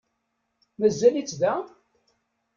Mazal-itt da?